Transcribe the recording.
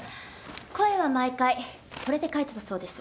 声は毎回これで変えてたそうです。